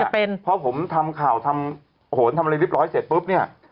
พอผมทำข่าวทำอะไรเรียบร้อยเสร็จปุ๊บเนี่ย